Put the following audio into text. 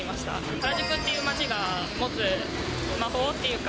原宿っていう街が持つ魔法っていうか。